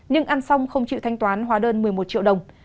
nhưng ăn xong không chịu thanh toán hóa đơn một mươi một triệu đồng